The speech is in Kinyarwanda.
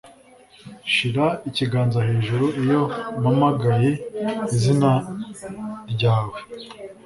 Shira ikiganza hejuru iyo mpamagaye izina ryawe